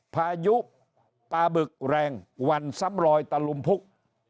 พายุปลาบึกแรงวันซ้ำรอยตะลุมพุก